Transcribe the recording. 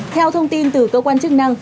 theo thông tin từ cơ quan chức năng